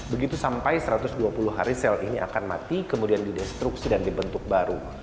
begitu sampai satu ratus dua puluh hari sel ini akan mati kemudian didestruksi dan dibentuk baru